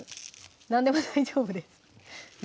なんでも大丈夫です